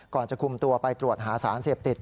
จะคุมตัวไปตรวจหาสารเสพติด